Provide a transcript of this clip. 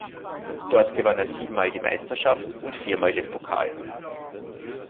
Dort gewann er siebenmal die Meisterschaft und viermal den Pokal.